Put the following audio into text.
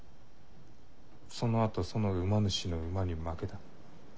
そのあとその馬主の馬に負けた。